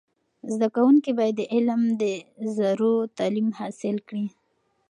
زده کوونکي باید د علم د زرو تعلیم حاصل کړي.